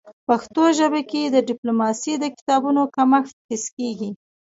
په پښتو ژبه کي د ډيپلوماسی د کتابونو کمښت حس کيږي.